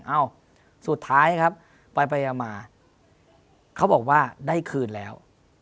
เอ้าสุดท้ายครับไปมาเขาบอกว่าได้คืนแล้ว